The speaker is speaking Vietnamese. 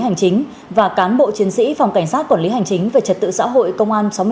hành chính và cán bộ chiến sĩ phòng cảnh sát quản lý hành chính về trật tự xã hội công an